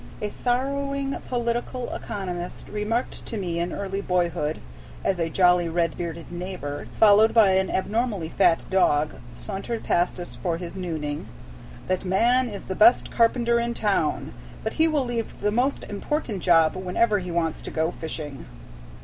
A sorrowing political economist remarked to me in early boyhood, as a jolly red bearded neighbor, followed by an abnormally fat dog, sauntered past us for his nooning: "That man is the best carpenter in town, but he will leave the most important job whenever he wants to go fishing."